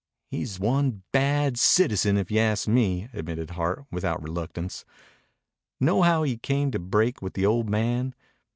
"He's one bad citizen, if you ask me," admitted Hart, without reluctance. "Know how he came to break with the old man?